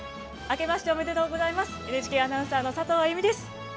ＮＨＫアナウンサーの佐藤あゆみです。